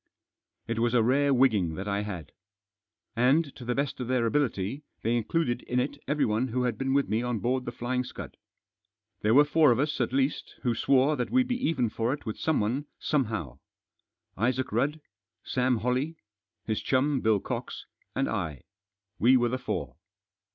It was a rare wigging that I had. And, to the best of their ability, they included in it everyone who had been with me on board The Flying Send. There were four of us, at least, who swore that we'd be even for it with someone somehow. Isaac Rudd, Sam Holley, his chum, Bill Cox, and I ; we were the four.